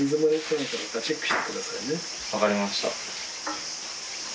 分かりました。